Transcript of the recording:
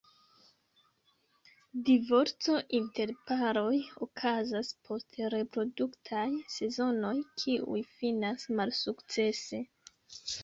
Divorco inter paroj okazas post reproduktaj sezonoj kiuj finas malsukcese.